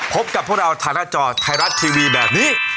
พบกับพวกเราทางหน้าจอไทยรัฐทีวีแบบนี้